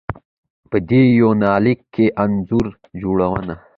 په دې يونليک کې انځور جوړونه